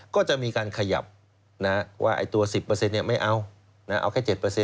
ก็จะมีการขยับว่าตัว๑๐ไม่เอาเอาแค่๗